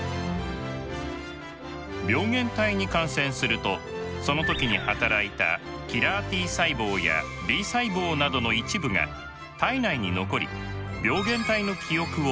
病原体に感染するとその時に働いたキラーＴ細胞やＢ細胞などの一部が体内に残り病原体の記憶を持ち続けます。